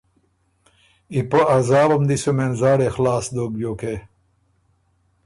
ای پۀ عذابم دی سُو مېن زاړئ خلاص دوک بیوکې